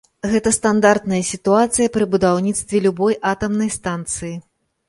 Гэта стандартная сітуацыя пры будаўніцтве любой атамнай станцыі.